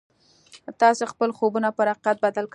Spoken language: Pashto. تاسې خپل خوبونه پر حقيقت بدل کړئ.